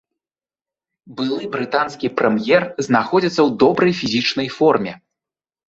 Былы брытанскі прэм'ер знаходзіцца ў добрай фізічнай форме.